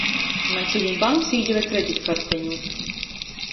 Maņ šudiņ banks īdeve kreditkarteņu.